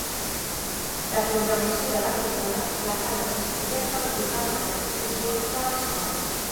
La programació de l'emissora la fan els estudiants del programa de difusió de l'escola.